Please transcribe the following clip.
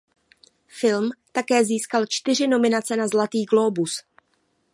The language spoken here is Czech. Film také získal čtyři nominaci na Zlatý glóbus.